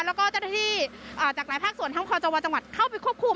แล้วก็เจ้าหน้าที่จากหลายภาคส่วนทั้งคอจวจังหวัดเข้าไปควบคุม